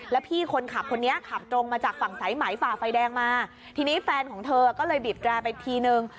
แล้วพี่คนขับคนนี้ขับตรงมาจากฝั่งสายไหมฝ่าไฟแดงมาทีนี้แฟนของเธอก็เลยบีบแรร์ไปทีนึง